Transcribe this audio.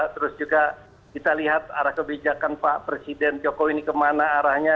terus juga kita lihat arah kebijakan pak presiden jokowi ini kemana arahnya